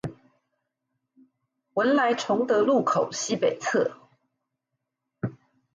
文萊崇德路口西北側